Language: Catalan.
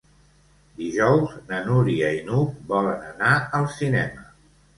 Dijous na Núria i n'Hug volen anar al cinema.